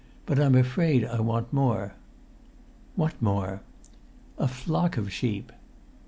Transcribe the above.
But I'm afraid I want more." "What more?" "A flock of sheep."